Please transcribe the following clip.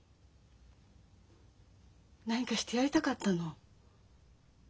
何かしてやりたかったの。